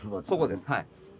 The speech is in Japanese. そうですね。